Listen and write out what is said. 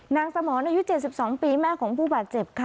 สมรอายุ๗๒ปีแม่ของผู้บาดเจ็บค่ะ